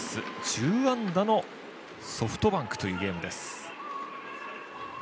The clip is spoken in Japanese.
１０安打のソフトバンクというゲームです。